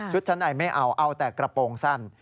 ชั้นในไม่เอาเอาแต่กระโปรงสั้น